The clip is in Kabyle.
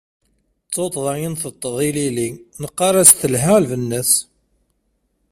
D tuṭṭḍa i nteṭṭeḍ ilili, neqqar-as telha lbenna-s.